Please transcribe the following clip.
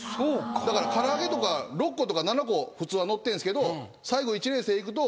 だから唐揚げとか６個とか７個普通はのってるんすけど最後１年生行くと。